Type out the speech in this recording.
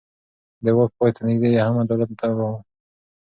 د واک پای ته نږدې يې هم عدالت ته پام و.